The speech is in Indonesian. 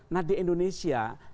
nah di indonesia